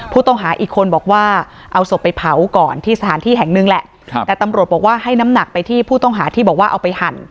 ผู้ต้องหาอีกคนบอกว่าเอาศพไปเผาก่อนที่สถานที่แห่งหนึ่งแหละครับแต่ตำรวจบอกว่าให้น้ำหนักไปที่ผู้ต้องหาที่บอกว่าเอาไปหั่น